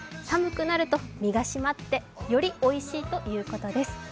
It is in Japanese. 寒くなると身が締まって、よりおいしいということです。